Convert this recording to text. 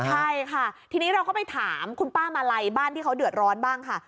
ใช่ค่ะทีนี้เราก็ไปถามคุณป้ามาลัยบ้านที่เขาเดือดร้อนบ้างค่ะ